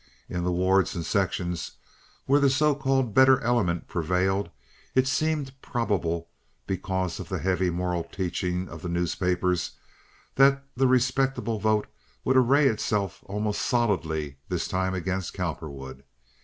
In the wards and sections where the so called "better element" prevailed it seemed probable, because of the heavy moral teaching of the newspapers, that the respectable vote would array itself almost solidly this time against Cowperwood.